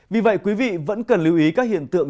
vì vậy quý vị vẫn cần lưu ý các hiện tượng